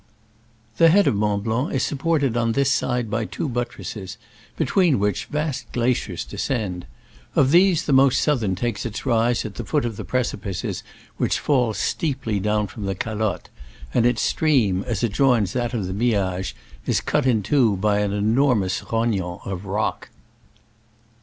The head of Mont Blanc is supported on this side by two buttresses, between which vast glaciers descend. Of these Digitized by Google SCRAMBLES AMONGST THE ALPS^ 'i&dp^ ^■ .K^\ the most southern takes its rise at the foot of the precipices which fall steeply down from the Calotte,* and its stream, as it joins that of the Miage, is cut in two by an enormous rognon of rock.